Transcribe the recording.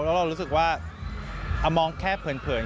แล้วเรารู้สึกว่ามองแค่เผิน